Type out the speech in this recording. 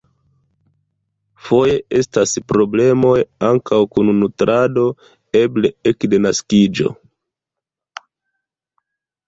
Foje estas problemoj ankaŭ kun nutrado, eble ekde naskiĝo.